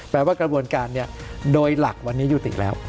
แปลว่ากระบวนการโดยหลักวันนี้ยุติแล้ว